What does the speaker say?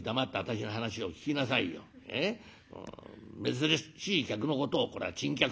珍しい客のことをこれを珍客というの」。